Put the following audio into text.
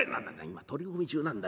今取り込み中なんだ。